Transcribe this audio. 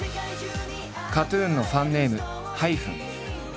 ＫＡＴ−ＴＵＮのファンネーム「ｈｙｐｈｅｎ」。